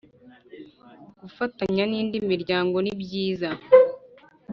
Gufatanya n indi miryango nibyiza